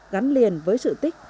gắn liền với sự tích